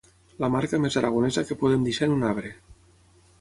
La marca més aragonesa que podem deixar en un arbre.